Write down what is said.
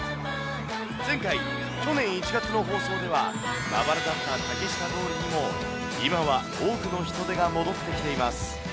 前回・去年１月の放送では、まばらだった竹下通りにも、今は多くの人出が戻ってきています。